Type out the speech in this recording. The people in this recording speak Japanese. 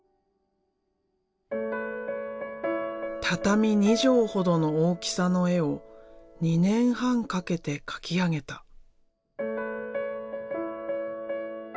畳２畳ほどの大きさの絵を２年半かけて描き上げた。